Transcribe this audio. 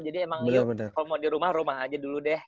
jadi emang yuk kalo mau di rumah rumah aja dulu deh